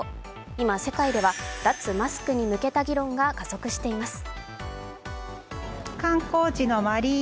今、世界では脱マスクに向けた議論が加速しています。